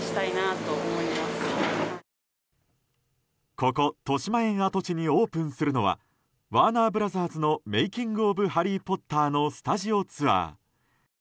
ここ、としまえん跡地にオープンするのはワーナー・ブラザーズのメイキング・オブ・ハリー・ポッターのスタジオツアー。